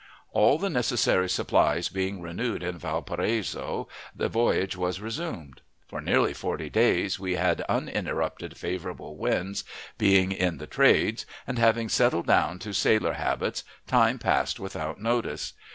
All the necessary supplies being renewed in Valparaiso, the voyage was resumed. For nearly forty days we had uninterrupted favorable winds, being in the "trades," and, having settled down to sailor habits, time passed without notice.